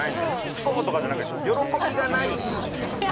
「クソッ！」とかじゃなくて「喜びがない」って言うのよ。